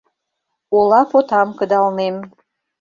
Ола потам кыдалнем